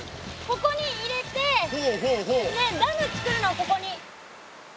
ここに入れてダムつくるのここに。